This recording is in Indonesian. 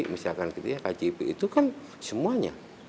misalkan gitu ya kjp itu kan semuanya